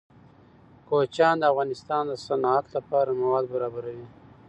کوچیان د افغانستان د صنعت لپاره مواد برابروي.